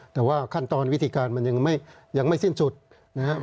แต่ว่าขั้นตอนวิธีการมันยังไม่สิ้นสุดนะครับ